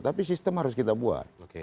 tapi sistem harus kita buat